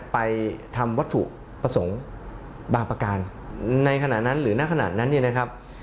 ไปทำวัตถุประสงค์บางประการในขณะนั้นหรือนักขนาดนั้นเนี่ยนะครับ